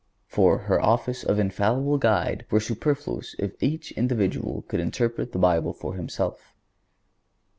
For, her office of infallible Guide were superfluous if each individual could interpret the Bible for himself.